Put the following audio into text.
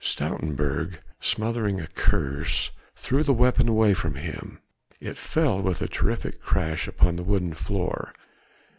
Stoutenburg, smothering a curse, threw the weapon away from him: it fell with a terrific crash upon the wooden floor.